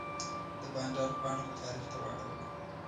د بانډار پاڼه مو تاریخ ته واړوله.